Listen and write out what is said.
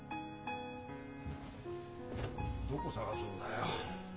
どこ捜すんだよ。